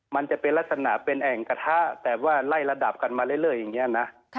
มันจะเป็นลักษณะเป็นแอ่งกระทะแต่ว่าไล่ระดับกันมาเรื่อยอย่างนี้นะ